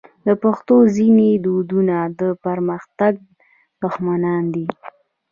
د پښتنو ځینې دودونه د پرمختګ دښمنان دي.